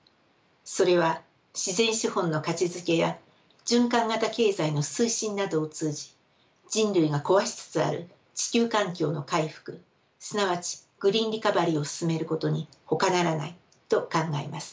それは自然資本の価値づけや循環型経済の推進などを通じ人類が壊しつつある地球環境の回復すなわちグリーン・リカバリーを進めることにほかならないと考えます。